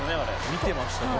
見てましたけど。